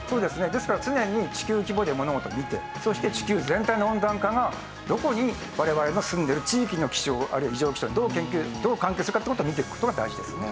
ですから常に地球規模で物事を見てそして地球全体の温暖化がどこに我々の住んでる地域の気象あるいは異常気象にどう関係するかっていう事を見ていく事が大事ですね。